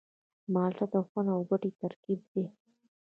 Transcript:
مالټه د خوند او ګټې ترکیب دی.